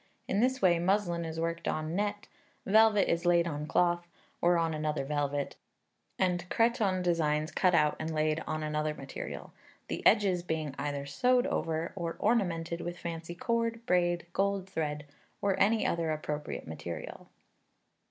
In this way muslin is worked on net, velvet is laid on cloth, or on another velvet, and cretonne designs cut out and laid on another material, the edges being either sewed over, or ornamented with fancy cord, braid, gold thread, or any other appropriate material.